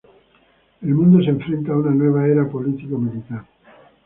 El mundo se enfrenta a una nueva era político-militar.